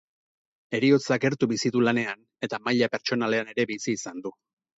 Heriotza gertu bizi du lanean, eta maila pertsonalean ere bizi izan du.